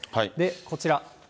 こちら。